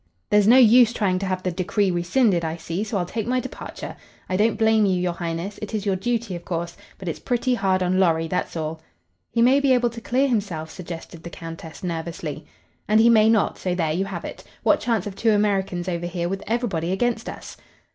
There's no use trying to have the decree rescinded, I see, so I'll take my departure. I don't blame you, your Highness; it is your duty, of course. But it's pretty hard on Lorry, that's all." "He may be able to clear himself," suggested the Countess, nervously. "And he may not, so there you have it. What chance have two Americans over here with everybody against us?"